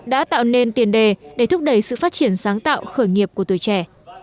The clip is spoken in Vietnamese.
đã tạo nên tiền đề để thúc đẩy sự phát triển sáng tạo khởi nghiệp của tuổi trẻ